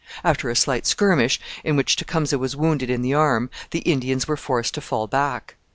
After a slight skirmish, in which Tecumseh was wounded in the arm, the Indians were forced to fall back.